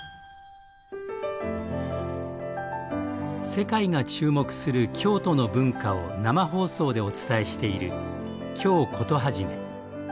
世界が注目する京都の文化を生放送でお伝えしている「京コトはじめ」。